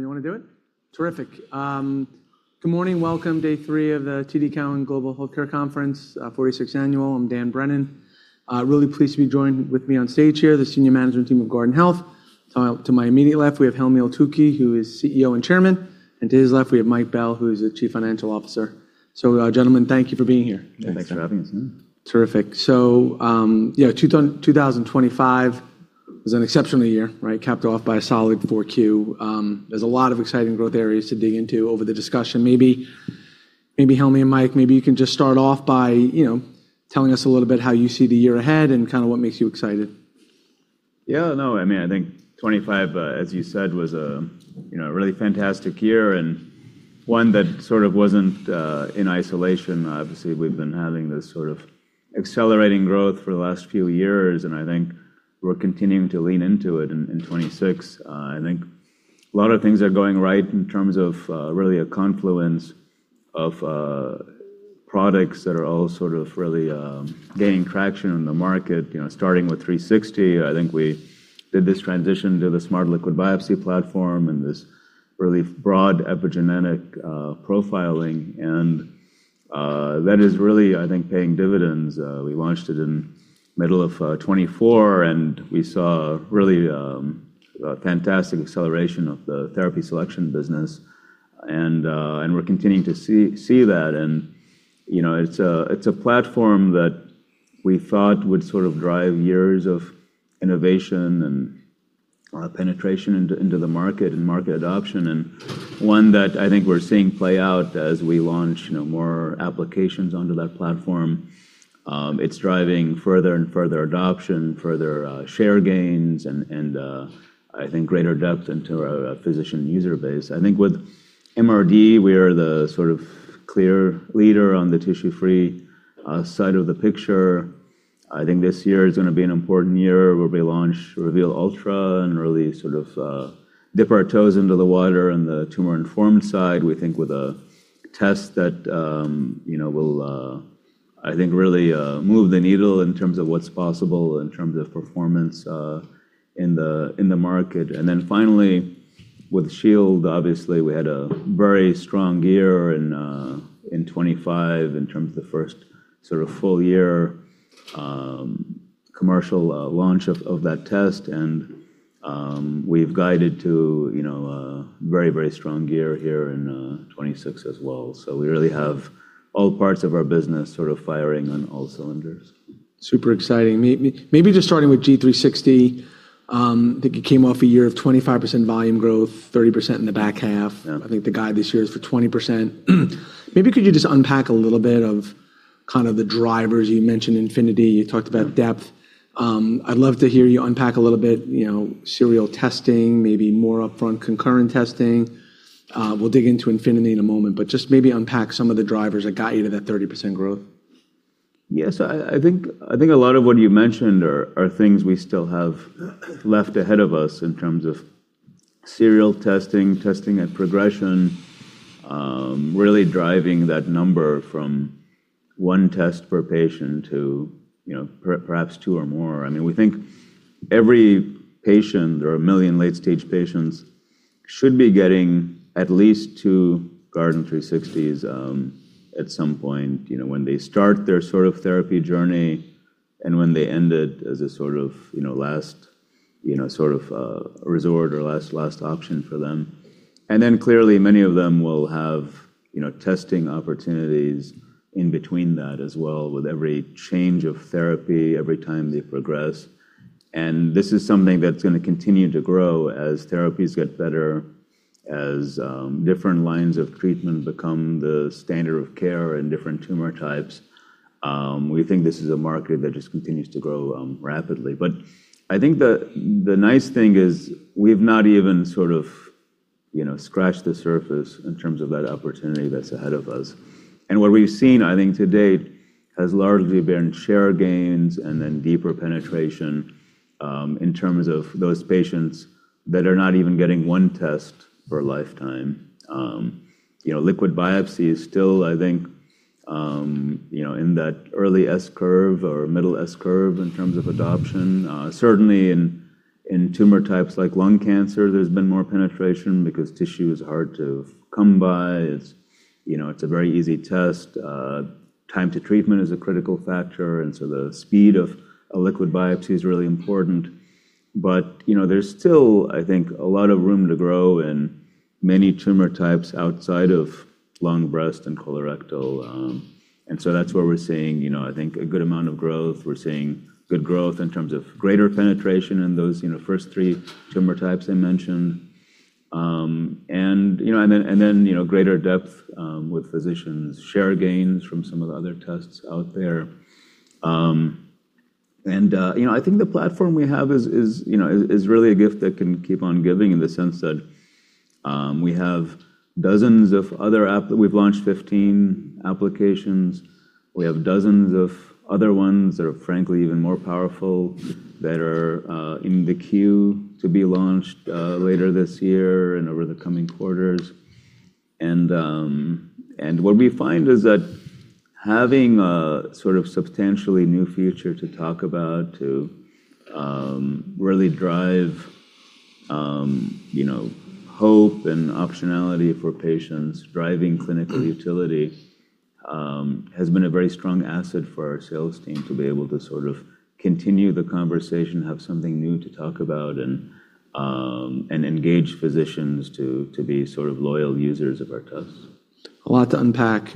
You want to do it? Terrific. Good morning. Welcome day three of the TD Cowen Global Healthcare Conference, 46th annual. I'm Dan Brennan. Really pleased to be joined with me on stage here, the senior management team of Guardant Health. To my immediate left, we have Helmy Eltoukhy, who is, and to his left, we have Mike Bell, who is the Chief Financial Officer. Gentlemen, thank you for being here. Thanks for having us. Terrific. 2025 was an exceptional year, right? Capped off by a solid 4Q. There's a lot of exciting growth areas to dig into over the discussion. Maybe Helmy and Mike, maybe you can just start off by, you know, telling us a little how you see the year ahead and kinda what makes you excited? Yeah, no, I mean, I think 2025, as you said, was, you know, a really fantastic year and one that sort of wasn't in isolation. Obviously, we've been having this sort of accelerating growth for the last few years. I think we're continuing to lean into it in 2026. I think a lot of things are going right in terms of really a confluence of products that are all sort of really gaining traction in the market, you know, starting with Guardant360. I think we did this transition to the smart liquid biopsy platform and this really broad epigenetic profiling and that is really, I think, paying dividends. We launched it in middle of 2024, and we saw really a fantastic acceleration of the therapy selection business. We're continuing to see that. You know, it's a platform that we thought would sort of drive years of innovation and penetration into the market and market adoption, and one that I think we're seeing play out as we launch, you know, more applications onto that platform. It's driving further and further adoption, further share gains and I think greater depth into our physician user base. I think with MRD, we are the sort of clear leader on the tissue-free side of the picture. I think this year is gonna be an important year where we launch Reveal Ultra and really sort of dip our toes into the water on the tumor-informed side. We think with a test that, you know, will, I think really, move the needle in terms of what's possible, in terms of performance, in the, in the market. Then finally, with SHIELD, obviously, we had a very strong year in 2025 in terms of the first sort of full year, commercial, launch of that test and, we've guided to, you know, a very, very strong year here in 2026 as well. We really have all parts of our business sort of firing on all cylinders. Super exciting. Maybe just starting with G360, I think you came off a year of 25% volume growth, 30% in the back half. Yeah. I think the guide this year is for 20%. Maybe could you just unpack a little bit of kind of the drivers? You mentioned Infinity, you talked about depth. I'd love to hear you unpack a little bit, you know, serial testing, maybe more upfront concurrent testing. We'll dig into Infinity in a moment, but just maybe unpack some of the drivers that got you to that 30% growth. Yes. I think a lot of what you mentioned are things we still have left ahead of us in terms of serial testing at progression, really driving that number from one test per patient to, you know, perhaps two or more. I mean, we think every patient, there are 1 million late-stage patients should be getting at least two Guardant360s, at some point, you know, when they start their sort of therapy journey and when they end it as a sort of, you know, last, you know, sort of resort or last option for them. Clearly, many of them will have, you know, testing opportunities in between that as well with every change of therapy, every time they progress. This is something that's gonna continue to grow as therapies get better, as different lines of treatment become the standard of care in different tumor types. We think this is a market that just continues to grow rapidly. I think the nice thing is we've not even sort of, you know, scratched the surface in terms of that opportunity that's ahead of us. What we've seen, I think to date, has largely been share gains and then deeper penetration, in terms of those patients that are not even getting one test for a lifetime. You know, liquid biopsy is still, I think, you know, in that early S-curve or middle S-curve in terms of adoption. Certainly in tumor types like lung cancer, there's been more penetration because tissue is hard to come by. You know, it's a very easy test. Time to treatment is a critical factor. The speed of a liquid biopsy is really important. You know, there's still, I think, a lot of room to grow in many tumor types outside of lung, breast, and colorectal. That's where we're seeing, you know, I think a good amount of growth. We're seeing good growth in terms of greater penetration in those, you know, first three tumor types I mentioned. You know, and then, you know, greater depth with physicians' share gains from some of the other tests out there. You know, I think the platform we have is, you know, is really a gift that can keep on giving in the sense that, we have dozens of other. We've launched 15 applications. We have dozens of other ones that are frankly even more powerful that are in the queue to be launched later this year and over the coming quarters. What we find is that having a sort of substantially new future to talk about, to really drive, you know, hope and optionality for patients, driving clinical utility has been a very strong asset for our sales team to be able to sort of continue the conversation, have something new to talk about, and engage physicians to be sort of loyal users of our tests. A lot to unpack.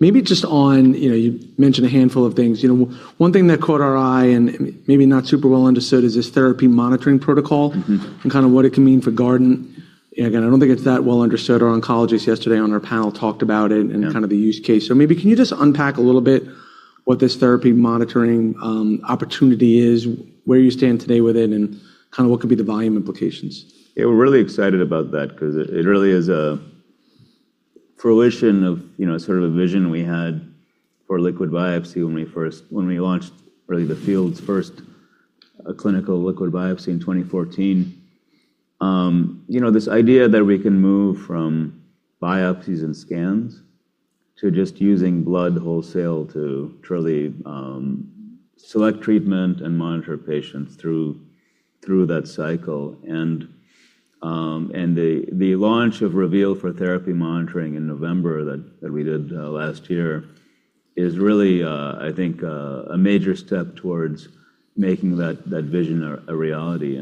You know, you mentioned a handful of things. You know, one thing that caught our eye and maybe not super well understood is this therapy monitoring protocol. Mm-hmm. Kind of what it can mean for Guardant. Again, I don't think it's that well understood. Our oncologist yesterday on our panel talked about it. Yeah. Kind of the use case. Maybe can you just unpack a little bit what this therapy monitoring opportunity is, where you stand today with it, and kinda what could be the volume implications? Yeah. We're really excited about that 'cause it really is a fruition of, you know, sort of a vision we had for liquid biopsy when we launched really the field's first clinical liquid biopsy in 2014. You know, this idea that we can move from biopsies and scans to just using blood wholesale to truly select treatment and monitor patients through that cycle. The launch of Reveal for therapy monitoring in November that we did last year is really, I think, a major step towards making that vision a reality.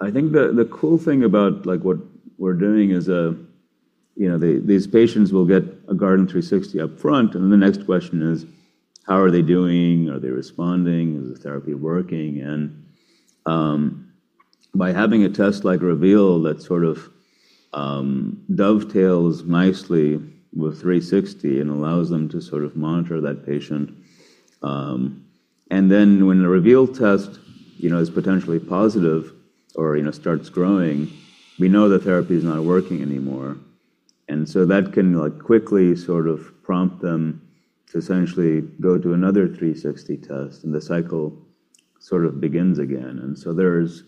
I think the cool thing about, like, what we're doing is, you know, these patients will get a Guardant360 upfront, and the next question is: How are they doing? Are they responding? Is the therapy working? By having a test like Reveal that sort of dovetails nicely with 360 and allows them to sort of monitor that patient, and then when the Reveal test, you know, is potentially positive or, you know, starts growing, we know the therapy is not working anymore, that can, like, quickly sort of prompt them to essentially go do another 360 test, and the cycle sort of begins again. There's,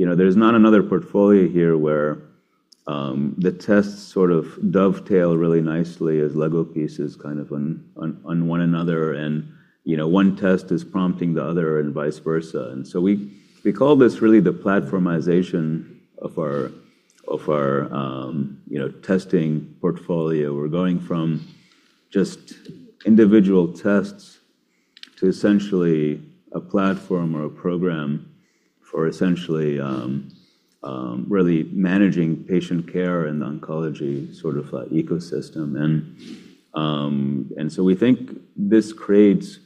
you know, there's not another portfolio here where the tests sort of dovetail really nicely as Lego pieces kind of on one another and, you know, one test is prompting the other and vice versa. We, we call this really the platformization of our, of our, you know, testing portfolio. We're going from just individual tests to essentially a platform or a program for essentially, really managing patient care in the oncology sort of ecosystem. We think this creates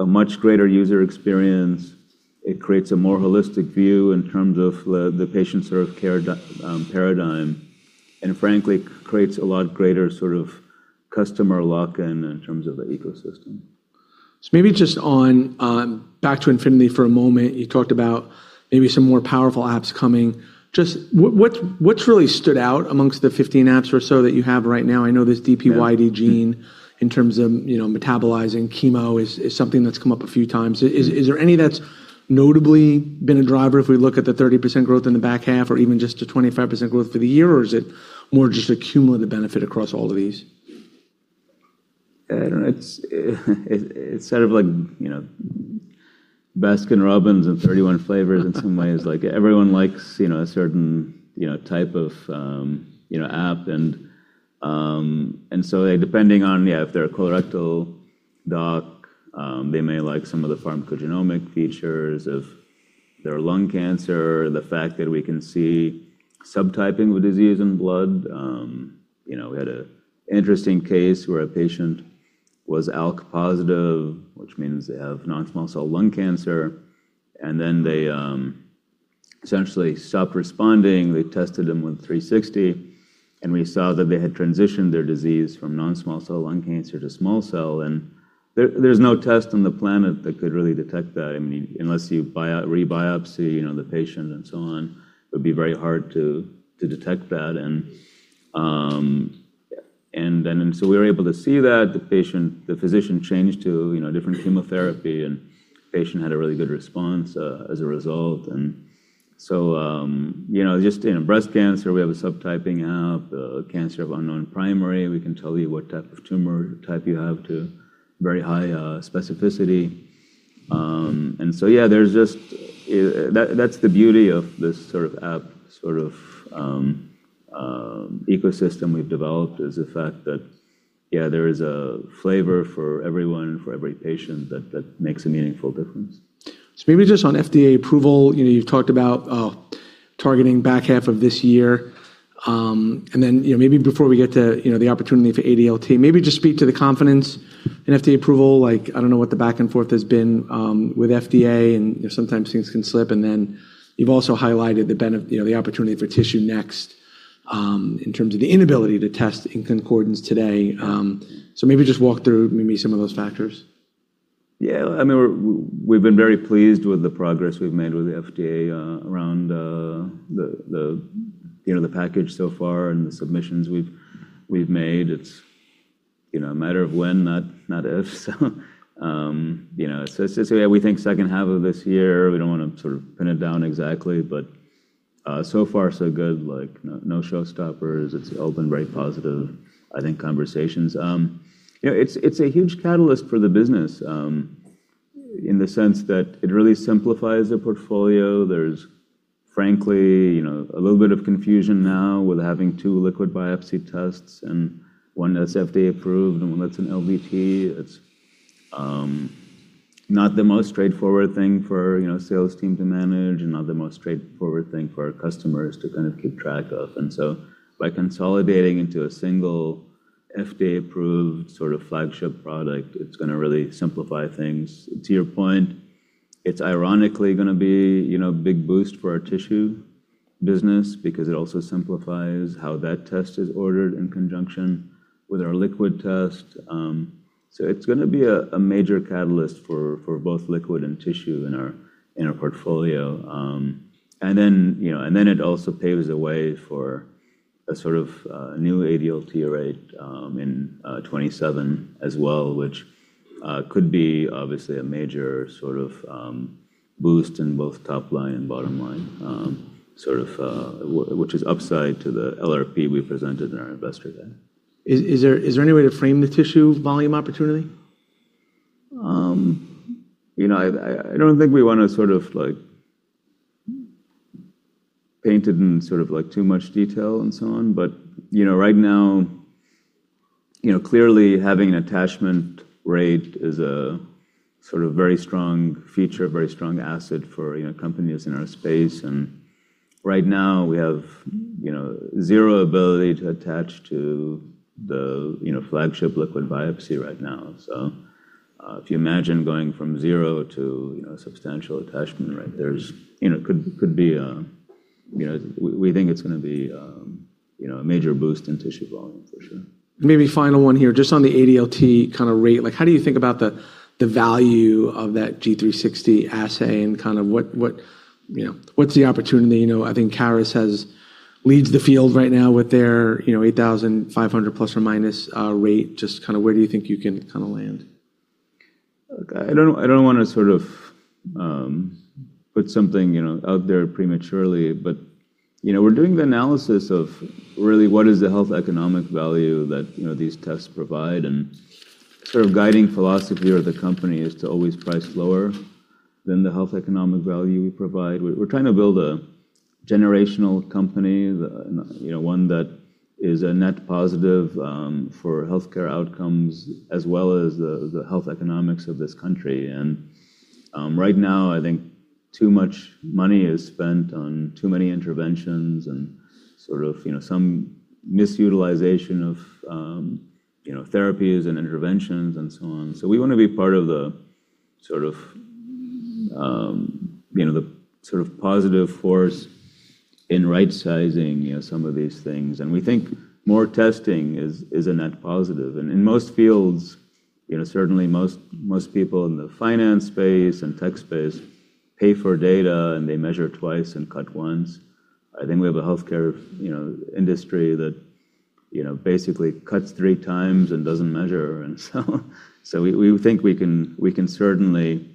a much greater user experience, it creates a more holistic view in terms of the patient sort of care paradigm, and frankly creates a lot greater sort of customer lock-in in terms of the ecosystem. Maybe just back to Infinity for a moment. You talked about maybe some more powerful apps coming. Just what's really stood out amongst the 15 apps or so that you have right now? I know there's DPYD gene- Yeah. In terms of, you know, metabolizing chemo is something that's come up a few times. Is there any that's notably been a driver if we look at the 30% growth in the back half or even just the 25% growth for the year, or is it more just a cumulative benefit across all of these? I don't know. It's sort of like, you know, Baskin-Robbins and 31 flavors in some ways. Like, everyone likes, you know, a certain, you know, type of, you know, app. Depending on, yeah, if they're a colorectal doc, they may like some of the pharmacogenomic features. If they're lung cancer, the fact that we can see subtyping of disease in blood. You know, we had a interesting case where a patient was ALK-positive, which means they have non-small cell lung cancer, then they essentially stopped responding. They tested them with 360, and we saw that they had transitioned their disease from non-small cell lung cancer to small cell. There's no test on the planet that could really detect that. I mean, unless you re-biopsy, you know, the patient and so on, it would be very hard to detect that. We were able to see that. The physician changed to, you know, different chemotherapy, and patient had a really good response as a result. You know, just in breast cancer, we have a subtyping app. Cancer of unknown primary, we can tell you what type of tumor type you have to very high specificity. Yeah, there's just that's the beauty of this sort of app, sort of ecosystem we've developed, is the fact that, yeah, there is a flavor for everyone and for every patient that makes a meaningful difference. Maybe just on FDA approval, you know, you've talked about targeting back half of this year. Then, you know, maybe before we get to, you know, the opportunity for ADLT, maybe just speak to the confidence in FDA approval. Like, I don't know what the back and forth has been with FDA and, you know, sometimes things can slip. Then you've also highlighted, you know, the opportunity for TissueNext, in terms of the inability to test in concordance today. Maybe just walk through maybe some of those factors. Yeah. I mean, we're, we've been very pleased with the progress we've made with the FDA around the, you know, the package so far and the submissions we've made. It's you know, a matter of when, not if. You know, so yeah, we think second half of this year, we don't wanna sort of pin it down exactly, but so far so good. Like, no showstoppers. It's all been very positive, I think, conversations. You know, it's a huge catalyst for the business in the sense that it really simplifies the portfolio. There's frankly, you know, a little bit of confusion now with having two liquid biopsy tests and one that's FDA approved and one that's an LDT. It's not the most straightforward thing for, you know, a sales team to manage, and not the most straightforward thing for our customers to kind of keep track of. By consolidating into a single FDA-approved sort of flagship product, it's gonna really simplify things. To your point, it's ironically gonna be, you know, a big boost for our tissue business because it also simplifies how that test is ordered in conjunction with our liquid test. It's gonna be a major catalyst for both liquid and tissue in our, in our portfolio. You know, it also paves the way for a sort of new ADLT rate in 2027 as well, which could be obviously a major sort of boost in both top line and bottom line, sort of which is upside to the LRP we presented in our investor day. Is there any way to frame the tissue volume opportunity? You know, I don't think we wanna sort of like paint it in sort of like too much detail and so on. you know, right now, you know, clearly having an attachment rate is a sort of very strong feature, very strong asset for, you know, companies in our space. right now we have, you know, zero ability to attach to the, you know, flagship liquid biopsy right now. If you imagine going from zero to, you know, substantial attachment rate, there's, you know, could be a. We think it's gonna be, you know, a major boost in tissue volume for sure. Maybe final one here, just on the ADLT kinda rate, like how do you think about the value of that G360 assay and kind of what, you know, what's the opportunity? You know, I think Caris leads the field right now with their, you know, 8,500 plus or minus rate. Just kinda where do you think you can kinda land? Look, I don't wanna sort of, put something, you know, out there prematurely, you know, we're doing the analysis of really what is the health economic value that, you know, these tests provide and sort of guiding philosophy of the company is to always price lower than the health economic value we provide. We're trying to build a generational company, you know, one that is a net positive for healthcare outcomes as well as the health economics of this country. Right now I think too much money is spent on too many interventions and sort of, you know, some misutilization of, you know, therapies and interventions and so on. We wanna be part of the sort of, you know, the sort of positive force in right sizing, you know, some of these things. We think more testing is a net positive. In most fields, you know, certainly most people in the finance space and tech space pay for data, and they measure twice and cut once. I think we have a healthcare, you know, industry that, you know, basically cuts three times and doesn't measure. We think we can certainly,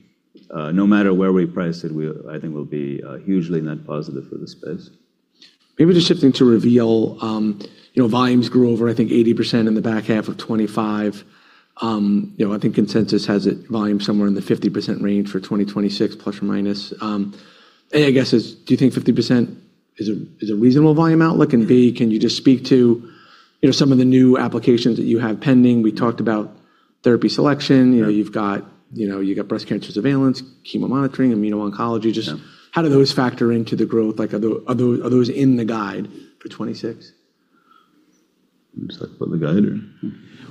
no matter where we price it, we, I think we'll be hugely net positive for the space. Maybe just shifting to Reveal. You know, volumes grew over, I think, 80% in the back half of 2025. You know, I think consensus has it volume somewhere in the 50% range for 2026 ±. A, I guess, do you think 50% is a reasonable volume outlook? B, can you just speak to, you know, some of the new applications that you have pending? We talked about therapy selection. Yeah. You know, you've got breast cancer surveillance, chemo monitoring, immuno-oncology. Yeah. Just how do those factor into the growth? Like, are those in the guide for 2026? You just like to put the Guardant or?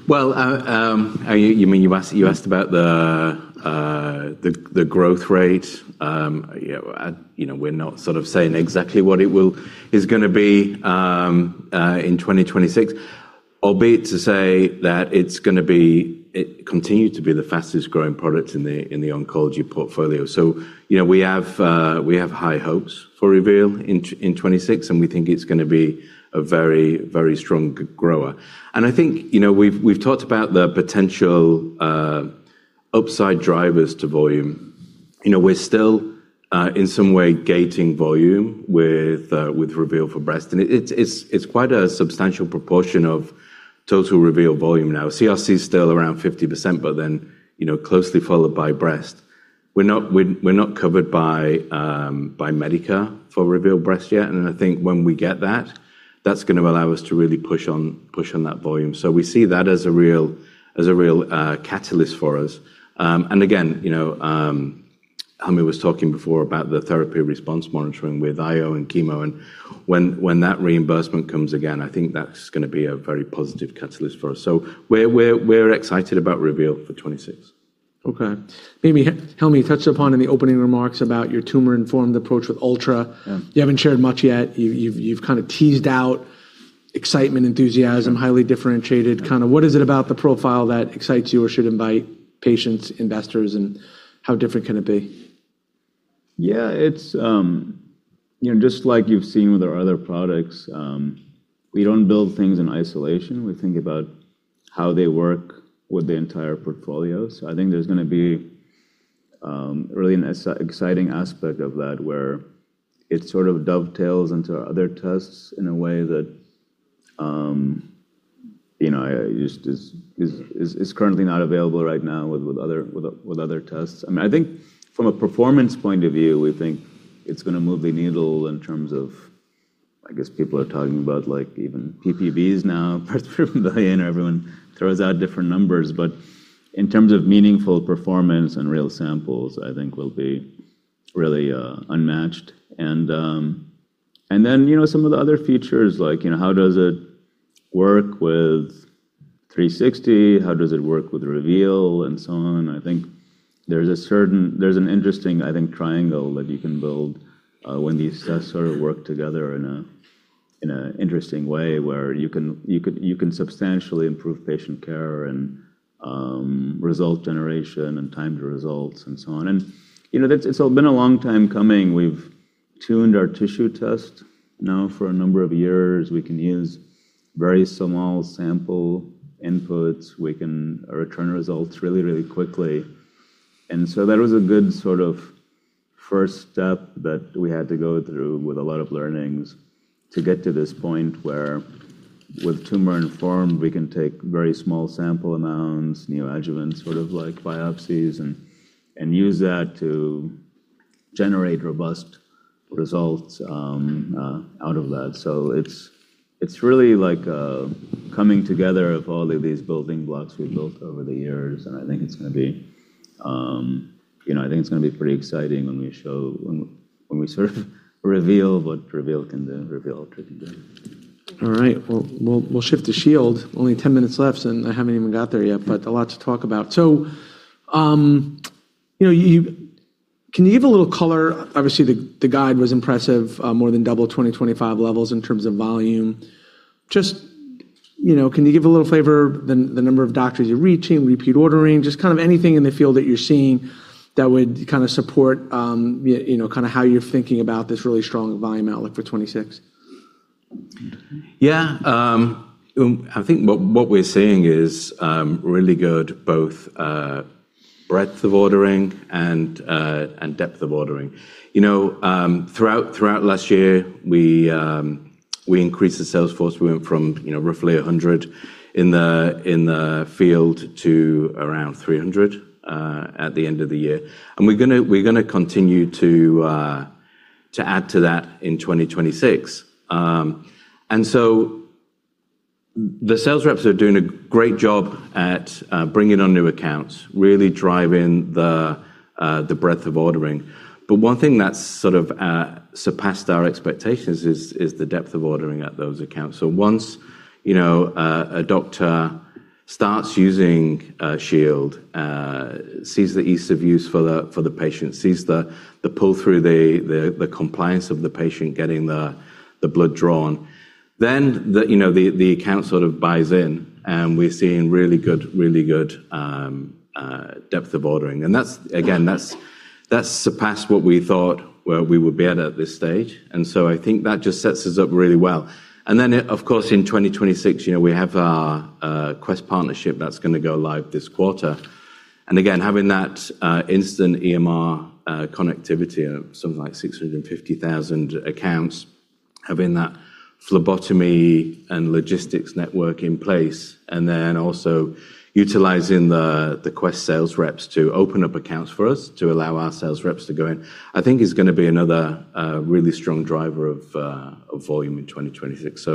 Well, are you mean, you asked about the growth rate? You know, we're not sort of saying exactly what it is gonna be in 2026. Albeit to say that it's gonna be, it continues to be the fastest growing product in the oncology portfolio. You know, we have high hopes for Reveal in 2026, and we think it's gonna be a very strong grower. I think, you know, we've talked about the potential upside drivers to volume. You know, we're still in some way gating volume with Reveal for breast, and it's quite a substantial proportion of total Reveal volume now. CRC is still around 50%, closely followed by breast. We're not covered by Medicare for Reveal breast yet, I think when we get that's gonna allow us to really push on that volume. We see that as a real catalyst for us. Again, you know, Helmy was talking before about the therapy response monitoring with IO and chemo, when that reimbursement comes again, I think that's gonna be a very positive catalyst for us. We're excited about Reveal for 2026. Maybe Helmy, you touched upon in the opening remarks about your tumor-informed approach with Ultra. Yeah. You haven't shared much yet. You've kind of teased out excitement, enthusiasm. Yeah... highly differentiated, kinda what is it about the profile that excites you or should invite patients, investors, and how different can it be? Yeah, it's, you know, just like you've seen with our other products, we don't build things in isolation. We think about how they work with the entire portfolio. I think there's gonna be really an exciting aspect of that where it sort of dovetails into our other tests in a way that, you know, is currently not available right now with other tests. I mean, I think from a performance point of view, we think it's gonna move the needle in terms of, I guess, people are talking about like even PPB now, parts per billion, or everyone throws out different numbers. In terms of meaningful performance and real samples, I think we'll be really unmatched. You know, some of the other features like, you know, how does it work with 360, how does it work with Reveal and so on. I think there's an interesting, I think, triangle that you can build when these tests sort of work together in an interesting way where you can substantially improve patient care and result generation and time to results and so on. You know, it's all been a long time coming. We've tuned our tissue test now for a number of years. We can use very small sample inputs. We can return results really, really quickly. That was a good sort of first step that we had to go through with a lot of learnings to get to this point where with tumor-informed, we can take very small sample amounts, neoadjuvant sort of like biopsies and use that to generate robust results out of that. It's, it's really like a coming together of all of these building blocks we've built over the years, and I think it's gonna be, you know, I think it's gonna be pretty exciting when we sort of reveal what Reveal can do, Reveal can do. All right. Well, we'll shift to SHIELD. Only 10 minutes left, and I haven't even got there yet, but a lot to talk about. You know, can you give a little color? Obviously, the guide was impressive, more than double 2025 levels in terms of volume. Just, you know, can you give a little flavor, the number of doctors you're reaching, repeat ordering, just kind of anything in the field that you're seeing that would kinda support, you know, kinda how you're thinking about this really strong volume outlook for 2026? Yeah. I think what we're seeing is really good both breadth of ordering and depth of ordering. You know, throughout last year, we increased the sales force. We went from, you know, roughly 100 in the field to around 300 at the end of the year. We're gonna continue to add to that in 2026. The sales reps are doing a great job at bringing on new accounts, really driving the breadth of ordering. One thing that's sort of surpassed our expectations is the depth of ordering at those accounts. Once, you know, a doctor starts using SHIELD, sees the ease of use for the patient, sees the pull through, the compliance of the patient getting the blood drawn, then the, you know, the account sort of buys in, and we're seeing really good depth of ordering. That's again, that's surpassed what we thought where we would be at this stage. I think that just sets us up really well. Of course, in 2026, you know, we have our Quest partnership that's gonna go live this quarter. Having that instant EMR connectivity of something like 650,000 accounts, having that phlebotomy and logistics network in place, and then also utilizing the Quest sales reps to open up accounts for us to allow our sales reps to go in, I think is gonna be another really strong driver of volume in 2026.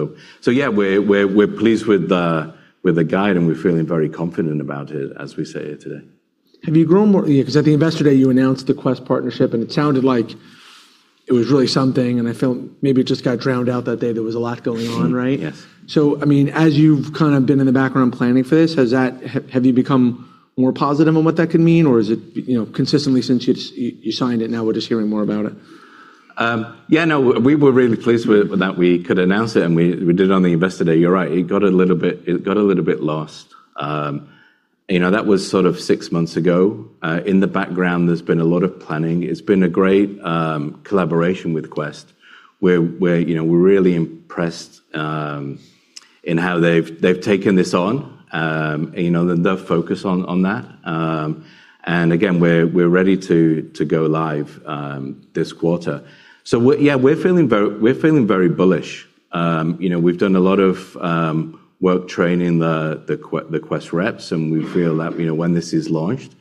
Yeah, we're pleased with the guide, and we're feeling very confident about it as we say it today. Have you grown? Yeah, 'cause at the Investor Day, you announced the Quest partnership, and it sounded like it was really something, and I felt maybe it just got drowned out that day. There was a lot going on, right? Yes. I mean, as you've kind of been in the background planning for this, have you become more positive on what that could mean, or is it, you know, consistently since you signed it, now we're just hearing more about it? Yeah, no, we were really pleased with that we could announce it, and we did it on the Investor Day. You're right. It got a little bit lost. You know, that was sort of six months ago. In the background, there's been a lot of planning. It's been a great collaboration with Quest where, you know, we're really impressed in how they've taken this on, you know, their focus on that. Again, we're ready to go live this quarter. Yeah, we're feeling very bullish. You know, we've done a lot of work training the Quest reps, and we feel that, you know, when this is launched,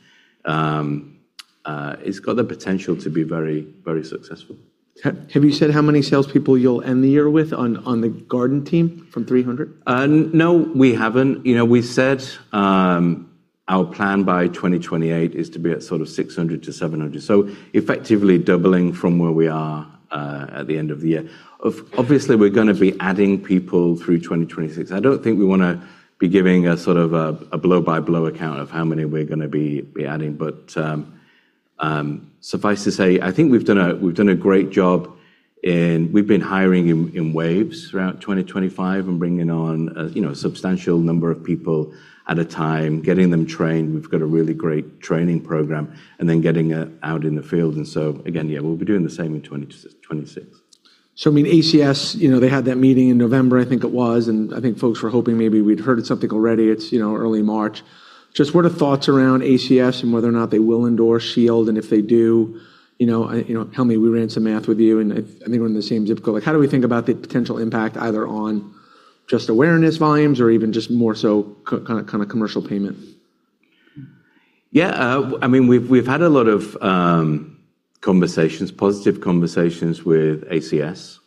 it's got the potential to be very successful. Have you said how many salespeople you'll end the year with on the Guardant team from 300? No, we haven't. You know, we said, our plan by 2028 is to be at sort of 600-700. Effectively doubling from where we are, at the end of the year. Obviously, we're gonna be adding people through 2026. I don't think we wanna be giving a sort of a blow-by-blow account of how many we're gonna be adding. Suffice to say, I think we've done a great job. We've been hiring in waves throughout 2025 and bringing on a, you know, substantial number of people at a time, getting them trained, we've got a really great training program, and then getting, out in the field. Again, yeah, we'll be doing the same in 2026. I mean, ACS, you know, they had that meeting in November, I think it was, and I think folks were hoping maybe we'd heard something already. It's, you know, early March. Just what are thoughts around ACS and whether or not they will endorse SHIELD? If they do, you know, Helmy, we ran some math with you, and I think we're in the same zip code. Like, how do we think about the potential impact either on just awareness volumes or even just more so kinda commercial payment? Yeah. I mean, we've had a lot of conversations, positive conversations with ACS.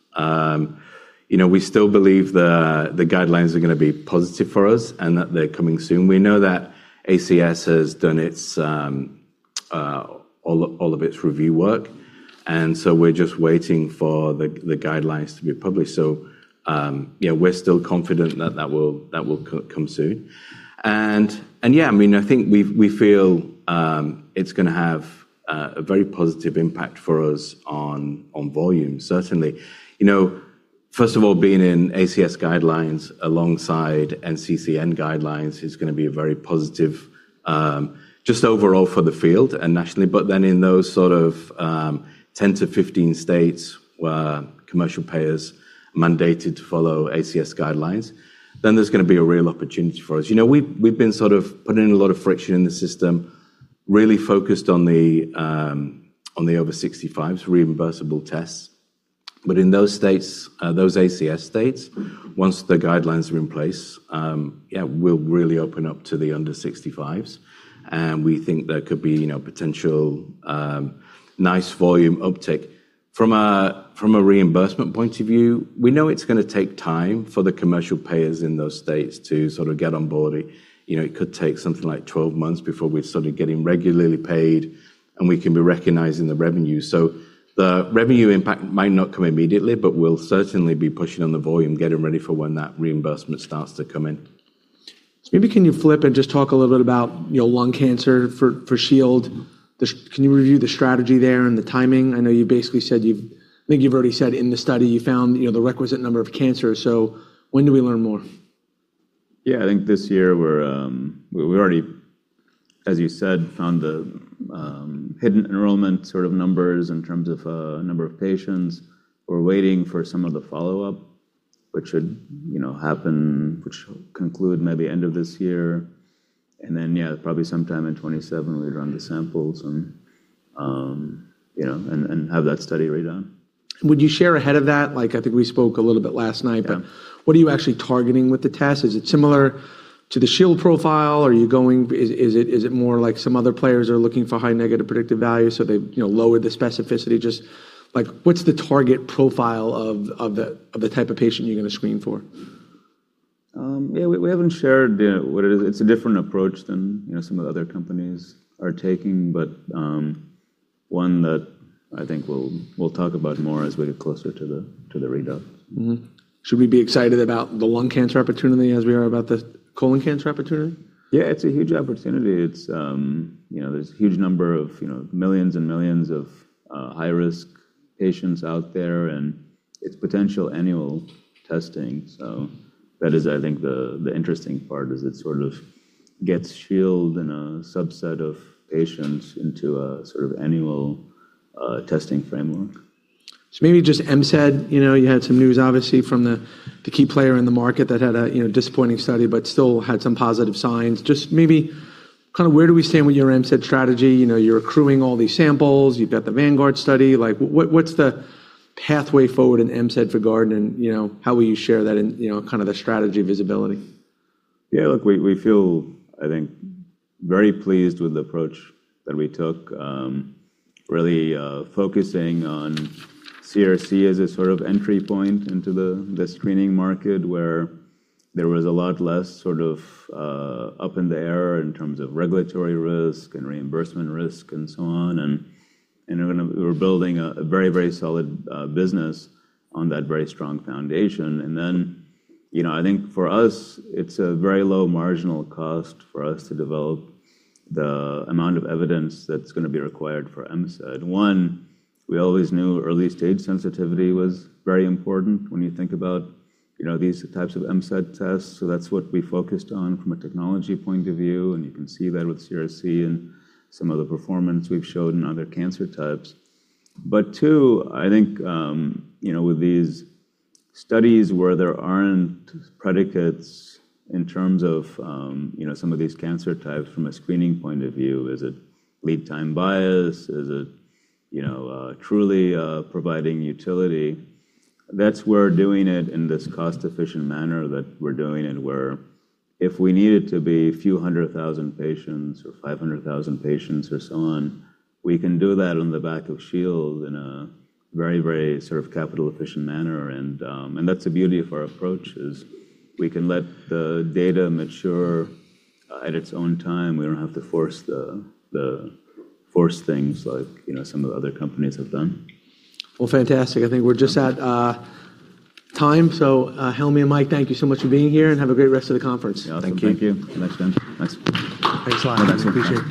You know, we still believe the guidelines are gonna be positive for us and that they're coming soon. We know that ACS has done all of its review work, and so we're just waiting for the guidelines to be published. Yeah, we're still confident that that will come soon. Yeah, I mean, I think we feel it's gonna have a very positive impact for us on volume, certainly. You know, first of all, being in ACS guidelines alongside NCCN guidelines is gonna be a very positive just overall for the field and nationally. In those sort of, 10-15 states where commercial pay is mandated to follow ACS guidelines, then there's gonna be a real opportunity for us. You know, we've been sort of putting a lot of friction in the system, really focused on the, on the over 65s reimbursable tests. In those states, those ACS states, once the guidelines are in place, yeah, we'll really open up to the under 65s. We think there could be, you know, potential, nice volume uptick. From a reimbursement point of view, we know it's gonna take time for the commercial payers in those states to sort of get on board. You know, it could take something like 12 months before we're sort of getting regularly paid, and we can be recognizing the revenue. The revenue impact might not come immediately, but we'll certainly be pushing on the volume, getting ready for when that reimbursement starts to come in. Maybe can you flip and just talk a little bit about, you know, lung cancer for SHIELD? Can you review the strategy there and the timing? I know you basically said you've already said in the study you found, you know, the requisite number of cancers. When do we learn more? Yeah. I think this year we're, we already, as you said, found the hidden enrollment sort of numbers in terms of number of patients. We're waiting for some of the follow-up, which should, you know, happen, which will conclude maybe end of this year. Yeah, probably sometime in 2027, we run the samples and, you know, and have that study read out. Would you share ahead of that? Like, I think we spoke a little bit last night. Yeah. What are you actually targeting with the test? Is it similar to the SHIELD profile? Is it more like some other players are looking for high negative predictive value, so they, you know, lower the specificity? Just, like, what's the target profile of the, of the type of patient you're gonna screen for? Yeah, we haven't shared, you know, what it is. It's a different approach than, you know, some of the other companies are taking, one that I think we'll talk about more as we get closer to the, to the read out. Should we be excited about the lung cancer opportunity as we are about the colon cancer opportunity? Yeah, it's a huge opportunity. It's, you know, there's a huge number of, you know, millions and millions of high-risk patients out there, and it's potential annual testing. That is, I think, the interesting part is it sort of gets SHIELD and a subset of patients into a sort of annual testing framework. Maybe just MRD. You know, you had some news obviously from the key player in the market that had a, you know, disappointing study but still had some positive signs. Just maybe kinda where do we stand with your MRD strategy? You know, you're accruing all these samples. You've got the Vanguard Study. Like, what's the pathway forward in MRD for Guardant, and, you know, how will you share that in, you know, kind of the strategy visibility? Yeah, look, we feel, I think, very pleased with the approach that we took, really, focusing on CRC as a sort of entry point into the screening market where there was a lot less sort of, up in the air in terms of regulatory risk and reimbursement risk, and so on. We're building a very solid business on that very strong foundation. You know, I think for us, it's a very low marginal cost for us to develop the amount of evidence that's gonna be required for MSI-H. One, we always knew early-stage sensitivity was very important when you think about, you know, these types of MSI-H tests. That's what we focused on from a technology point of view. You can see that with CRC and some of the performance we've shown in other cancer types. Two, I think, you know, with these studies where there aren't predicates in terms of, you know, some of these cancer types from a screening point of view, is it lead time bias? Is it, you know, truly providing utility? That's why we're doing it in this cost-efficient manner that we're doing it, where if we need it to be a few 100,000 patients or 500,000 patients or so on, we can do that on the back of SHIELD in a very, very sort of capital efficient manner. That's the beauty of our approach is we can let the data mature at its own time. We don't have to force the force things like, you know, some of the other companies have done. Well, fantastic. I think we're just at time. Helmy and Mike, thank you so much for being here, and have a great rest of the conference. Awesome. Thank you. Thank you. Thanks, Dan. Thanks. Thanks a lot. Thanks. Appreciate it.